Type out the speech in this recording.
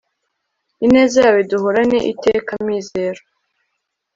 ineza yawe duhorane iteka. amizero